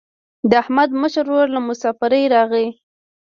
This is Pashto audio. د احمد مشر ورور له مسافرۍ راغی.